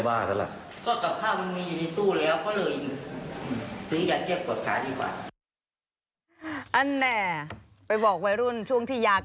บางทีไม่ต้องซื้อเยอะบ้าไม่ต้องซื้อศูนย์มาก